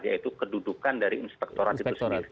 yaitu kedudukan dari inspektorat itu sendiri